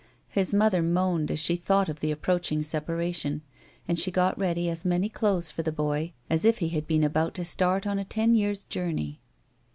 His mother moaned as she thought of the approaching separation and she got ready as many clothes for the boy as if he had been about to start on a ten years' journey.